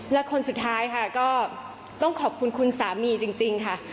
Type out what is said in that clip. และคนสุดท้ายค่ะก็ต้องขอบคุณคุณสามีจริงค่ะ